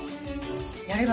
やれば。